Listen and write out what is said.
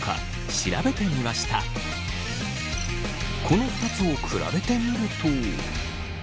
この２つを比べてみると。